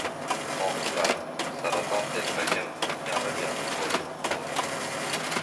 Oqibat — saraton telpagim yag‘ir-yag‘ir bo‘lib qoldi.